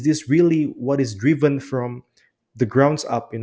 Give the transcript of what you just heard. atau apakah ini benar benar berdasarkan